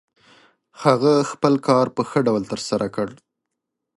هغه خپل کار په ښه ډول ترسره کړ.